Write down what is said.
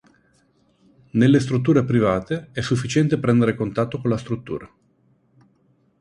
Nelle strutture private, è sufficiente prendere contatto con la struttura.